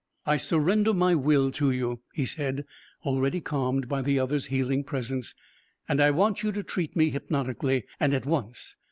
"I surrender my will to you," he said, already calmed by the other's healing presence, "and I want you to treat me hypnotically and at once.